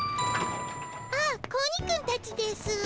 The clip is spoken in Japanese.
あっ子鬼くんたちですぅ。